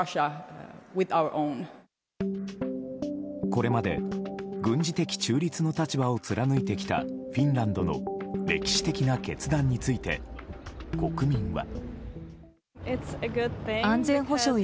これまで軍事的中立の立場を貫いてきたフィンランドの歴史的な決断について国民は。